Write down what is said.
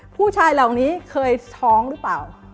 ผู้ชายเหล่านี้เคยท้องหรือเปล่า